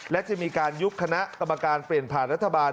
และจะมีการยุบคณะกรรมการเปลี่ยนผ่านรัฐบาล